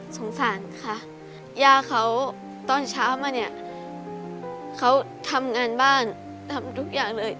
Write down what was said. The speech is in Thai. สงสารค่ะย่าเขาตอนเช้ามาเนี่ยเขาทำงานบ้านทำทุกอย่างเลย